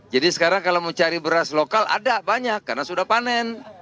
sekarang kalau mencari beras lokal ada banyak karena sudah panen